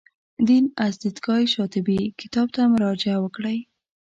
دین از دیدګاه شاطبي کتاب ته مراجعه وکړئ.